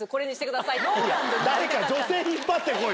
誰か女性引っ張って来いよ。